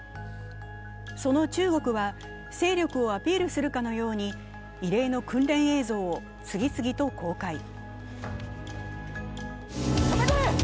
その中国は勢力をアピールするかのように異例の訓練映像を次々と公開。